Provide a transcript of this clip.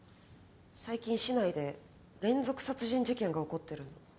最近市内で連続殺人事件が起こってるの。